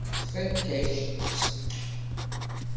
Tfakk-ak-tt.